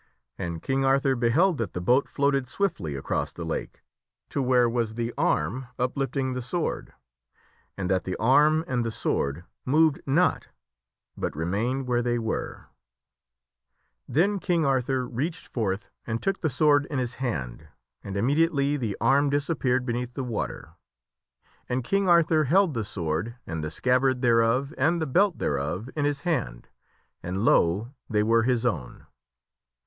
And King Arthur beheld that the boat floated swiftly across the lake to where was the arm uplifting the sword, and that the arm and the sword moved not but remained where they were. KING ARTHUR WINNETH EXCALIBUR 7I Then King Arthur reached forth and took the sword in his hand, and immediately the arm disappeared beneath the water, and King Arthur held the sword and the scabbard thereof and obfaLeth the belt thereof in his hand and, lo ! they were his own.